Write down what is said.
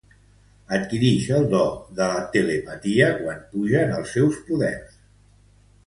Adquirix el do de la telepatia quan pugen els seus poders.